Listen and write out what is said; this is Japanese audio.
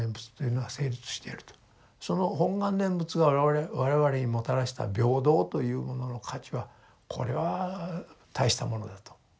その本願念仏が我々にもたらした平等というものの価値はこれは大したものだと思いますね。